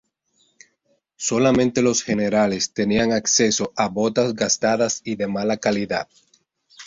Solamente los generales tenían accesos a botas gastadas y de mala calidad.